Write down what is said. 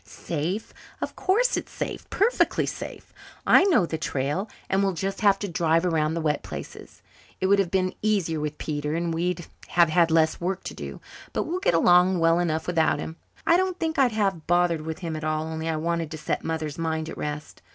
"Safe! Of course, it's safe perfectly safe. I know the trail, and we'll just have to drive around the wet places. It would have been easier with Peter, and we'd have had less work to do, but we'll get along well enough without him. I don't think I'd have bothered with him at all, only I wanted to set Mother's mind at rest.